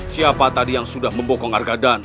siapa tadi yang sudah membokong argadan